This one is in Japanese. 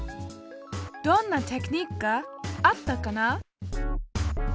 どんなテクニックがあったかな？